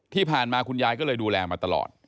ที่ผ่านมาคุณยายก็เลยดูแลมาตลอด